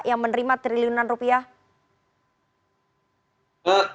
yang menerima triliunan rupiah